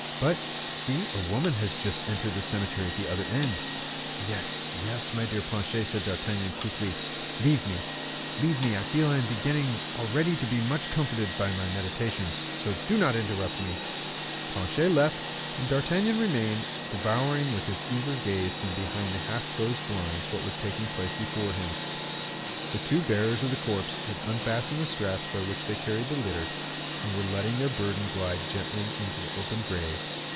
But, see, a woman has just entered the cemetery at the other end." "Yes, yes, my dear Planchet," said D'Artagnan, quickly, "leave me, leave me; I feel I am beginning already to be much comforted by my meditations, so do not interrupt me." Planchet left, and D'Artagnan remained, devouring with his eager gaze from behind the half closed blinds what was taking place just before him. The two bearers of the corpse had unfastened the straps by which they carried the litter, and were letting their burden glide gently into the open grave.